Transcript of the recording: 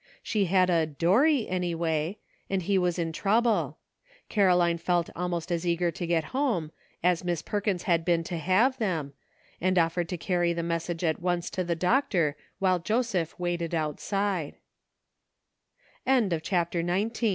She had a ''Dorry," any way, and he was in trouble. Caroline felt almost as eager to get home as Miss Perkins had been to have them, and offered to carry the message at once to the doctor, while Joseph waite